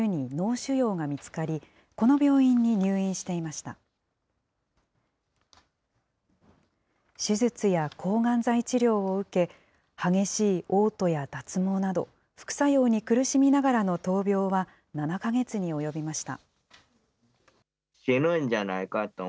手術や抗がん剤治療を受け、激しいおう吐や脱毛など、副作用に苦しみながらの闘病は７か月に及びました。